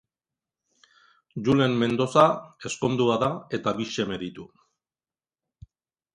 Julen Mendoza ezkondua da, eta bi seme ditu.